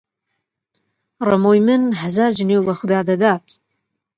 ڕەمۆی من هەزار جنێو بە خودا دەدا!